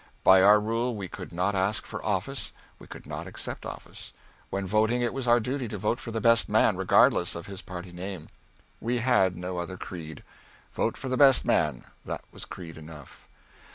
By our rule we could not ask for office; we could not accept office. When voting, it was our duty to vote for the best man, regardless of his party name. We had no other creed. Vote for the best man that was creed enough.